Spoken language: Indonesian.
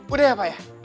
udah ya pak ya